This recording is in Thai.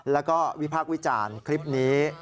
แล้วก็วิพากษ์วิจารณ์คลิปนี้